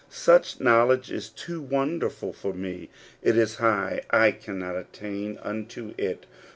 Such knowledge is too wonderful for me; it is high, I cannot attain unto it.